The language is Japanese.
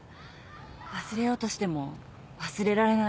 忘れようとしても忘れられない。